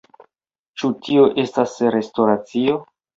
Ĉu tio estas restoracio?